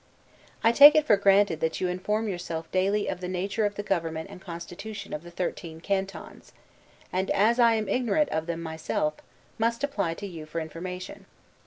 I take it for granted, that you inform yourself daily of the nature of the government and constitution of the Thirteen Cantons; and as I am ignorant of them myself, must apply to you for information.